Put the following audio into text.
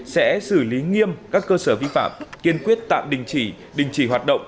sẽ xử lý nghiêm các cơ sở vi phạm kiên quyết tạm đình chỉ đình chỉ hoạt động